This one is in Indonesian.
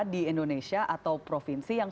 di indonesia atau provinsi yang